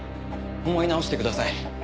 思い直してください。